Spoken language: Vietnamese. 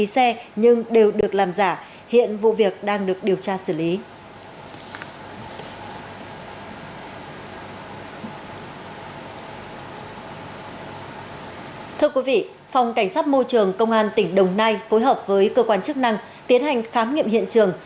thưa quý vị phòng cảnh sát môi trường công an tỉnh đồng nai phối hợp với cơ quan chức năng tiến hành khám nghiệm hiện trường